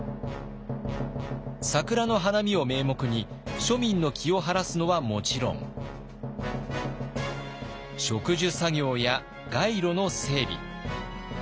桜の花見を名目に庶民の気を晴らすのはもちろん植樹作業や街路の整備